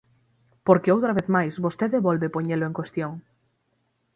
Porque outra vez máis vostede volve poñelo en cuestión.